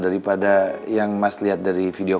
daripada yang mas lihat dari video